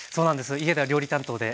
家では料理担当で。